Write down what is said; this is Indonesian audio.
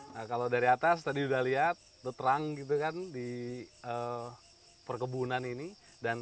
nah kalau dari atas tadi sudah lihat terang gitu kan